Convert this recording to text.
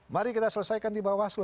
mari kita selesaikan di bawah selu